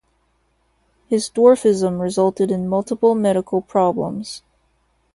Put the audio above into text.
His dwarfism resulted in multiple medical problems.